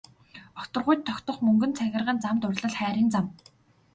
Огторгуйд тогтох мөнгөн цагирган зам дурлал хайрын зам.